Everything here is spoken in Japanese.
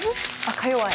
かよわい。